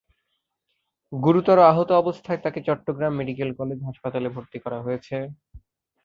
গুরুতর আহত অবস্থায় তাঁকে চট্টগ্রাম মেডিকেল কলেজ হাসপাতালে ভর্তি করা হয়েছে।